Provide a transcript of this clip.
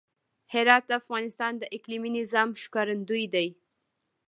هرات د افغانستان د اقلیمي نظام ښکارندوی دی.